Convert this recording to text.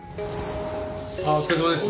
ああお疲れさまです。